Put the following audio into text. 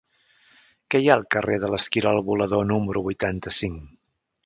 Què hi ha al carrer de l'Esquirol Volador número vuitanta-cinc?